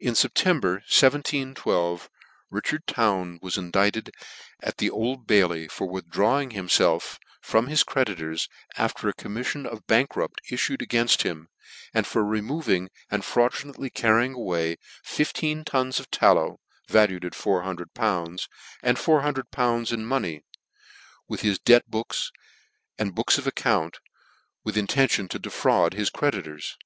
N September, 1712, Richard Town was in dicted at the Old Bailty for withdrawing him lelf from his creditors after a commiflion of bank rupt iflued againft him, and for removing and fraudulently carrying away fifteen tons of tallow^ valued at 400!. and 400!. in money, with his debt books, and books of accounts, with intention to defraud his creditois.